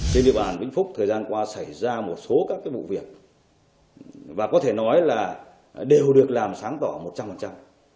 trên địa bàn vĩnh phúc thời gian qua xảy ra một số các vụ việc và có thể nói là đều được làm sáng tỏ một trăm linh